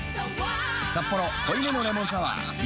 「サッポロ濃いめのレモンサワー」リニューアル